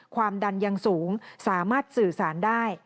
ความดันยังสูงสามารถสื่อสารได้